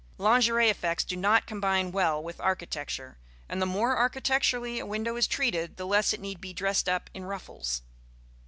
Lingerie effects do not combine well with architecture, and the more architecturally a window is treated, the less it need be dressed up in ruffles.